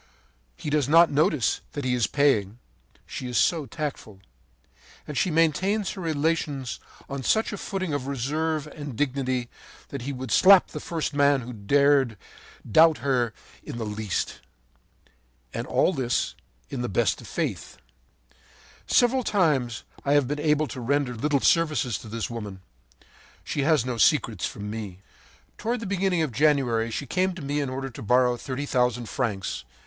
He does not notice that he is paying, she is so tactful; and she maintains her relations on such a footing of reserve and dignity that he would slap the first man who dared doubt her in the least. And all this in the best of faith. “Several times I have been able to render little services to this woman. She has no secrets from me. “Toward the beginning of January she came to me in order to borrow thirty thousand francs.